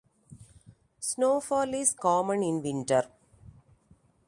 Snowfall is common in winter.